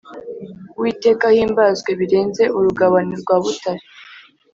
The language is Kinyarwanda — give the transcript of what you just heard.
Uwiteka ahimbazwe birenze urugabano rwa butare